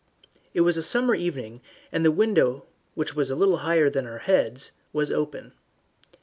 It was a summer evening, and the window, which was a little higher than our heads, was open.